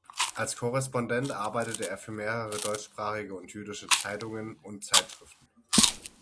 Als Korrespondent arbeitete er für mehrere deutschsprachige und jüdische Zeitungen und Zeitschriften.